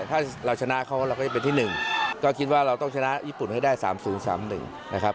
ถ้าเราชนะเขาเราก็จะเป็นที่หนึ่งก็คิดว่าเราต้องชนะญี่ปุ่นให้ได้สามศูนย์สามหนึ่งนะครับ